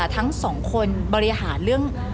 ทั้งสองคนบริหารเรื่อง